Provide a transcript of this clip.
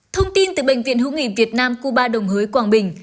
thông tin từ bệnh viện hữu nghị việt nam cuba đồng hới quảng bình